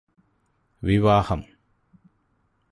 വിവാഹം